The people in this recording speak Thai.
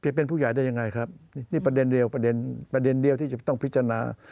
เปลี่ยนเป็นผู้ใหญ่ได้ยังไงครับนี่ประเด็นเดียวที่จะต้องพิจารณา